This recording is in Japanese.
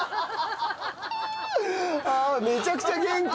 あめちゃくちゃ元気。